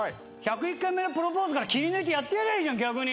『１０１回目のプロポーズ』から切り抜いてやってやりゃいいじゃん逆に！